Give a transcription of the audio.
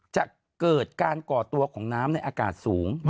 จะเกิดการก่อตัวของน้ำในอากาศสูง